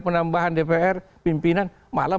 penambahan dpr pimpinan malah